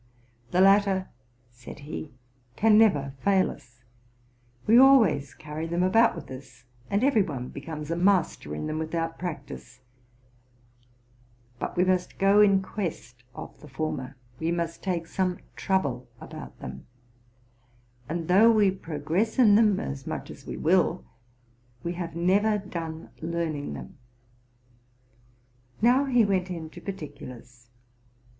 '* The latter,'' said he, ''can never fail us; we aiways carry them about with us, and every one becomes a master in them without practice: but we must go in quest of the former, we must take some trouble about them; and, though we progress in them as much as we will. we have never done learning them.'' Now he went into particulars.